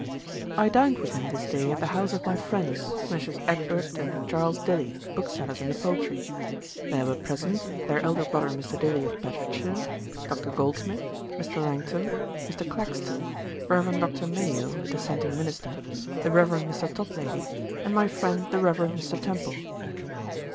I dined with him this day at the house of my friends, Messieurs Edward and Charles Dilly, booksellers in the Poultry: there were present, their elder brother Mr. Dilly of Bedfordshire, Dr. Goldsmith, Mr. Langton, Mr. Claxton, Reverend Dr. Mayo a dissenting minister, the Reverend Mr. Toplady, and my friend the Reverend Mr. Temple.